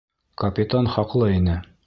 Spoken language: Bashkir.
Капитан хаҡлы ине.